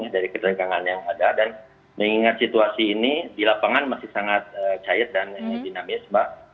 dari ketegangan yang ada dan mengingat situasi ini di lapangan masih sangat cair dan dinamis mbak